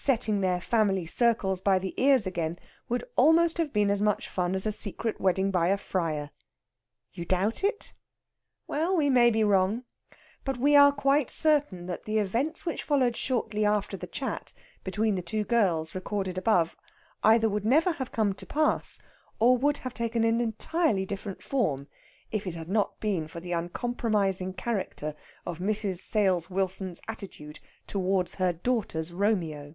Setting their family circles by the ears again would almost have been as much fun as a secret wedding by a friar. You doubt it? Well, we may be wrong. But we are quite certain that the events which followed shortly after the chat between the two girls recorded above either would never have come to pass, or would have taken an entirely different form, if it had not been for the uncompromising character of Mrs. Sales Wilson's attitude towards her daughter's Romeo.